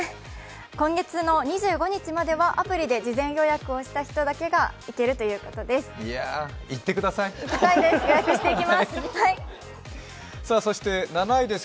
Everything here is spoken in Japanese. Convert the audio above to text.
今月の２５日まではアプリで事前予約をした人だけが行けるということです。